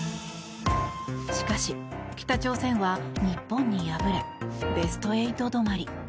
しかし、北朝鮮は日本に敗れベスト８止まり。